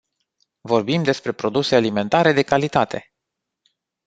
Vorbim despre produse alimentare de calitate!